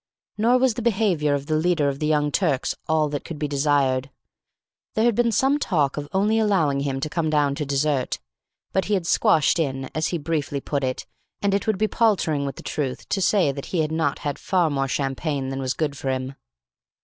Nor was the behaviour of the leader of the Young Turks all that could be desired. There had been some talk of only allowing him to come down to dessert; but he had squashed in, as he briefly put it, and it would be paltering with the truth to say that he had not had far more champagne than was good for him.